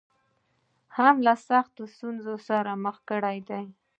هم له سختو ستونزو سره مخ کړې دي.